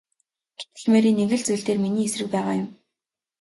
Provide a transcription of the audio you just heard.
Гэтэл Мэри нэг л зүйл дээр миний эсрэг байгаа юм.